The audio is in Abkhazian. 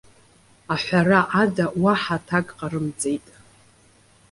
Аҳәара ада уаҳа аҭак ҟарымҵеит.